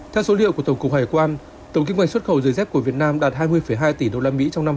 theo số liệu của tổng cục hải quan tổng kinh hoạch xuất khẩu giấy dép của việt nam đạt hai mươi hai tỷ usd trong năm hai nghìn hai mươi ba